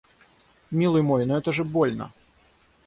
Милый мой, но это же больно!